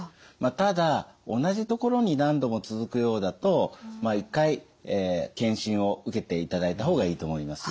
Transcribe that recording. ただ同じところに何度も続くようだと一回検診を受けていただいた方がいいと思います。